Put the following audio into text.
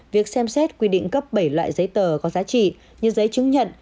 việc xem xét quy định cấp bảy loại giấy tờ có giá trị như giấy chứng nhận